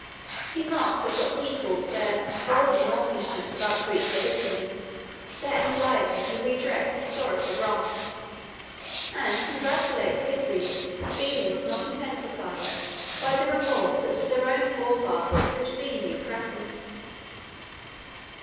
He mocks at what he calls their 'vulgar mawkishness about Greek liberties, their anxiety to redress historical wrongs,' and congratulates his readers that this feeling was not intensified by the remorse that their own forefathers had been the oppressors.